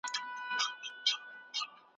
دیني پوهه د انسان د ذهن د روښانتیا سبب کیږي.